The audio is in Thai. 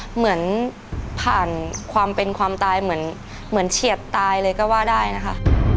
เหมือนผ่านความเป็นความตายเหมือนเฉียดตายเลยก็ว่าได้นะคะ